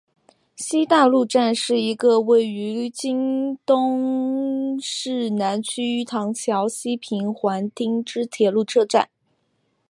西大路站是一个位于京都市南区唐桥西平垣町之铁路车站。